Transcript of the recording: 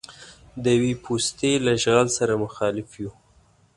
د یوې پوستې له اشغال سره مخالف یو.